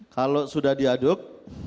kalau sudah diaduk